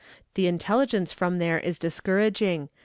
The intelligence from there is discouraging.